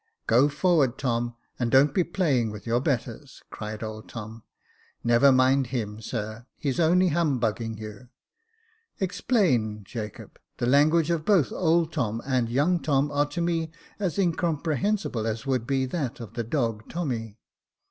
" Go forward, Tom, and don't be playing with your betters," cried old Tom. " Never mind him, sir, he's only humbugging you." •' Explain, Jacob. The language of both old Tom and young Tom are to me as incomprehensible as would be that of the dog Tommy."